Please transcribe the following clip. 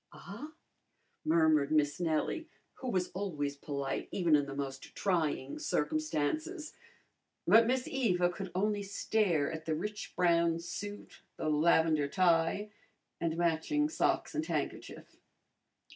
"Ah?" murmured Miss Nellie, who was always polite even in the most trying circumstances. But Miss Eva could only stare at the rich brown suit, the lavender tie and matching socks and handkerchief.